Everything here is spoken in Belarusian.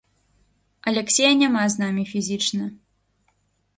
Аляксея няма з намі фізічна.